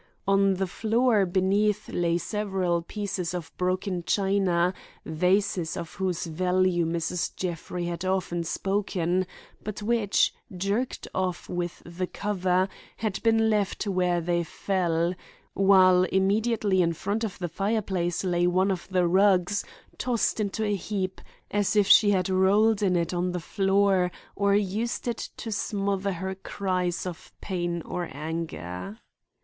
On the floor beneath lay several pieces of broken china,—vases of whose value Mrs. Jeffrey had often spoken, but which, jerked off with the cover, had been left where they fell; while immediately in front of the fireplace lay one of the rugs tossed into a heap, as if she had rolled in it on the floor or used it to smother her cries of pain or anger.